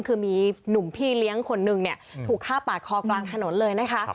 คือมีหนุ่มพี่เลี้ยงคนนึงเนี่ยถูกฆ่าปาดคอกลางถนนเลยนะคะ